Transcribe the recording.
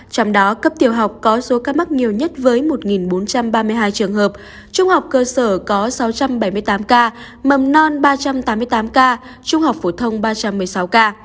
trong đó cấp tiểu học có số ca mắc nhiều nhất với một bốn trăm ba mươi hai trường hợp trung học cơ sở có sáu trăm bảy mươi tám ca mầm non ba trăm tám mươi tám ca trung học phổ thông ba trăm một mươi sáu ca